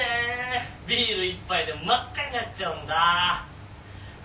ビール１杯で真っ赤になっちゃうんだ。